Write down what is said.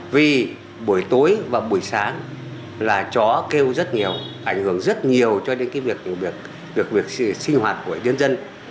vì buổi tối và buổi sáng là chó kêu rất nhiều ảnh hưởng rất nhiều cho đến cái việc sinh hoạt của đơn dân